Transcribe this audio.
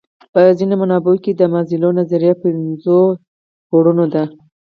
په ځینو منابعو کې د مازلو نظریه پنځو پوړونو ده.